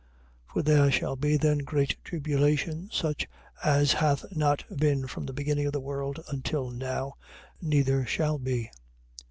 24:21. For there shall be then great tribulation, such as hath not been from the beginning of the world until now, neither shall be.